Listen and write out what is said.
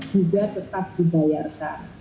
juga tetap dibayarkan